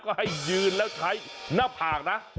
ก็ให้ยืนแล้วใช้หน้าผากนะ